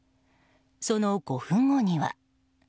その５分後には。